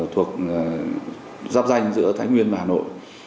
thuộc giáp danh giữa thái nguyên và hà nội